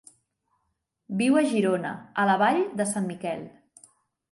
Viu a Girona, a la Vall de Sant Miquel.